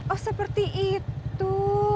oh seperti itu